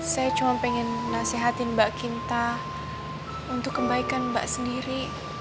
saya cuma pengen nasihatin mbak kinta untuk kebaikan mbak sendiri